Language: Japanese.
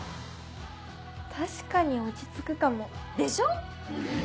確かに落ち着くかも。でしょ？